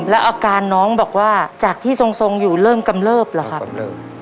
แล้วอาการน้องบอกว่าจากที่ทรงอยู่เริ่มกำเลิบเหรอครับกำเริบ